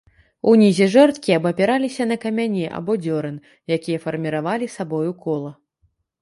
Унізе жэрдкі абапіраліся на камяні або дзёран, якія фарміравалі сабою кола.